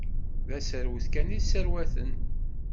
D aserwet kan i sserwaten.